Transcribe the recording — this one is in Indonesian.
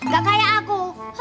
gak kayak aku